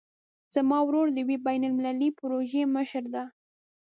زما ورور د یوې بین المللي پروژې مشر ده